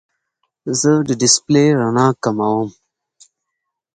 زه د ډیسپلې رڼا کموم.